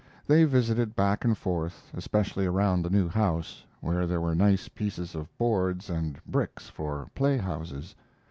They visited back and forth, especially around the new house, where there were nice pieces of boards and bricks for play houses.